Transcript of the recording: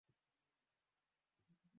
na kwa sasa wanashikilia nyadhifa kuu sana